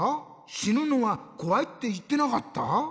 「しぬのはこわい」っていってなかった？